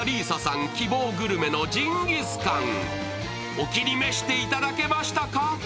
お気に召していただけましたか？